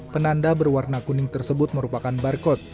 penanda berwarna kuning tersebut merupakan barcode